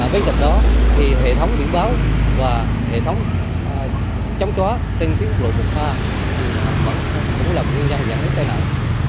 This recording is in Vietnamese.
với cảnh đó thì hệ thống biển báo và hệ thống chống chóa trên tuyến quốc lộ một a cũng là một nguyên nhân giao thông tai nạn